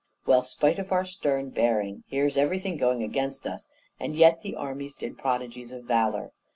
"Well, spite of our stern bearing, here's everything going against us; and yet the army did prodigies of valour.